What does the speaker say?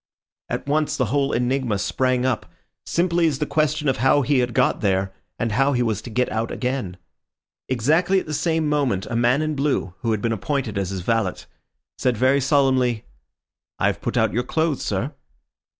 At once the whole enigma sprang up, simply as the question of how he had got there, and how he was to get out again. Exactly at the same moment a man in blue, who had been appointed as his valet, said very solemnly— "I have put out your clothes, sir."